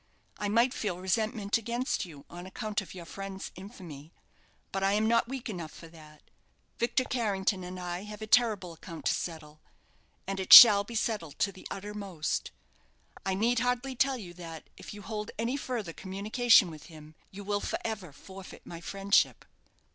I might feel resentment against you, on account of your friend's infamy, but I am not weak enough for that. Victor Carrington and I have a terrible account to settle, and it shall be settled to the uttermost. I need hardly tell you that, if you hold any further communication with him, you will for ever forfeit my friendship."